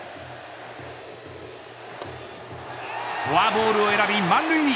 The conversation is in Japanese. フォアボールを選び満塁に。